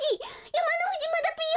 やまのふじまだぴよ！